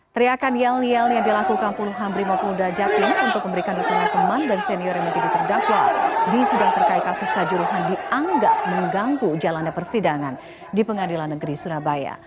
teriakan yel yel yang dilakukan puluhan brimopolda jatim untuk memberikan dukungan teman dan senior yang menjadi terdakwa di sidang terkait kasus kanjuruhan dianggap mengganggu jalannya persidangan di pengadilan negeri surabaya